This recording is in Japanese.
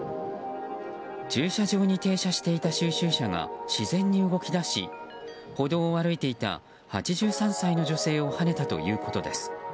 駐車場に停車していた収集車が自然に動き出し歩道を歩いていた８３歳の女性をはねたということです。